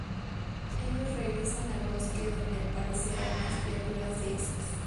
Ellos regresan al bosque donde al parecer hay más criaturas de esas.